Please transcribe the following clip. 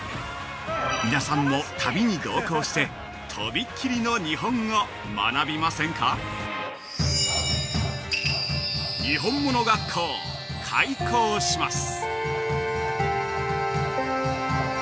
皆さんも旅に同行してとびっきりの日本を学びませんか？にほんもの学校、開校します。